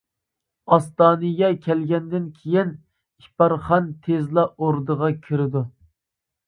ئاستانىگە كەلگەندىن كېيىن، ئىپارخان تىزلا ئوردىغا كىرىدۇ.